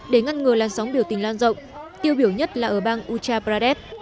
để ngăn ngừa làn sóng biểu tình lan rộng tiêu biểu nhất là ở bang uttar pradesh